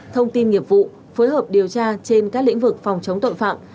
thông tin nghiệp vụ phối hợp điều tra trên các lĩnh vực phòng chống tội phạm